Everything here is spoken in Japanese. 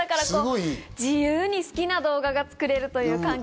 自由に好きな動画がつくれるという環境。